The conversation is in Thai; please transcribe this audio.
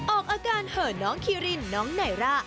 ออกอาการเห่อน้องคีรินน้องไนร่า